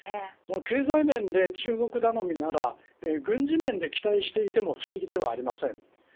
経済面で中国頼みなら軍事面で期待していても不思議ではありません。